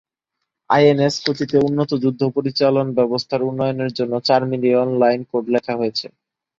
INS কোচিতে উন্নত যুদ্ধ পরিচালন ব্যবস্থার উন্নয়নের জন্য চার মিলিয়ন লাইন কোড লেখা হয়েছে।